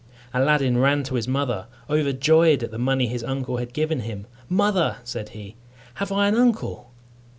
Aladdin ran to his mother, overjoyed at the money his uncle had given him. "Mother," said he, "have I an uncle?"